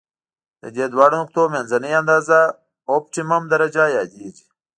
د دې دواړو نقطو منځنۍ اندازه اؤپټیمم درجه یادیږي.